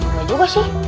enggak juga sih